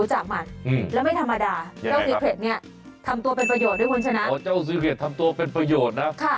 ใช่เจ้าซีเครดทำตัวเป็นประโยชน์นะ